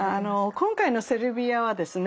今回のセルビアはですね